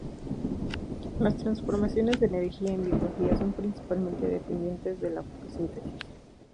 Las transformaciones de energía en biología son principalmente dependientes de la fotosíntesis.